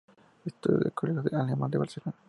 Estudió en el Colegio Alemán de Barcelona.